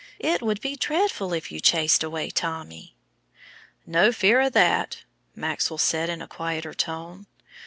It would be dreadful if you chased away Tommy." "No fear o' that," Maxwell said in a quieter tone.